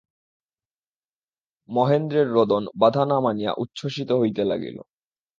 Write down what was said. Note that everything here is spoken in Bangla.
মহেন্দ্রের রোদন বাধা না মানিয়া উচ্ছ্বসিত হইতে লাগিল।